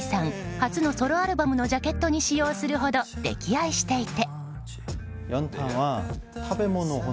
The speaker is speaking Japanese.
初のソロアルバムのジャケットに使用するほど溺愛していて。